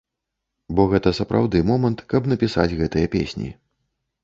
Бо гэта сапраўды момант, каб напісаць гэтыя песні.